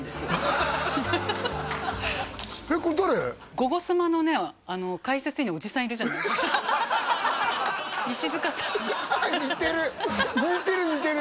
ゴゴスマのね解説員のおじさんいるじゃないですか石塚さん似てる！